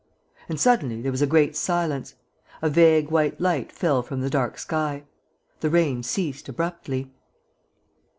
And suddenly there was a great silence. A vague white light fell from the dark sky. The rain ceased abruptly.